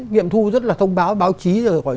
nghiệp thu rất là thông báo báo chí